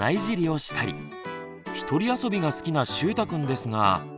ひとり遊びが好きなしゅうたくんですが。